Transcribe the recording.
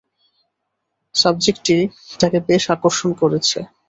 সাবজেক্টটি তাঁকে বেশ আকর্ষণ করেছে।